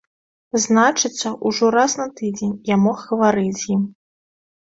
Значыцца, ужо раз на тыдзень я мог гаварыць з ім.